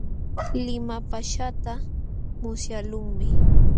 Limapaaśhqaata musyaqlunmi.